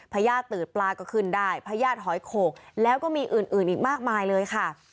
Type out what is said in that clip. พญาติตืดปลาก็ขึ้นได้พญาติหอยโขกแล้วก็มีอื่นอีกมากมายเลยค่ะ